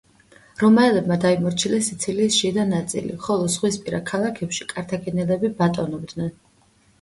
რომაელებმა დაიმორჩილეს სიცილიის შიდა ნაწილი, ხოლო ზღვისპირა ქალაქებში კართაგენელები ბატონობდნენ.